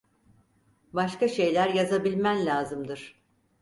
Başka şeyler yazabilmen lazımdır.